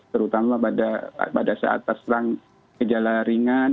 terutama pada saat terserang gejala ringan